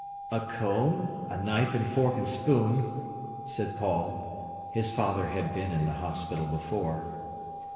"A comb, a knife and fork and spoon," said Paul. His father had been in the hospital before.